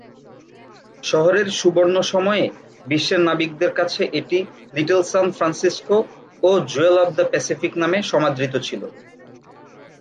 শহরের সুবর্ণ সময়ে বিশ্বের নাবিকদের কাছে এটি "লিটল সান ফ্রান্সিসকো" ও "জুয়েল অব দ্যা প্যাসিফিক" নামে সমাদৃত ছিল।